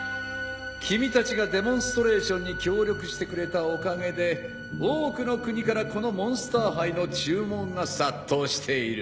君たちがデモンストレーションに協力してくれたおかげで多くの国からこのモンスター胚の注文が殺到している。